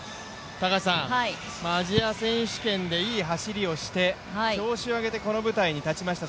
アジア選手権でいい走りをして調子を上げてこの舞台に立ちました。